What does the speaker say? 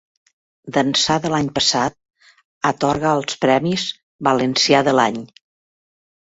D'ençà de l'any passat atorga els premis "Valencià de l'any".